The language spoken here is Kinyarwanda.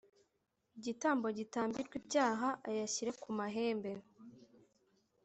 gitambo gitambirwa ibyaha ayashyire ku mahembe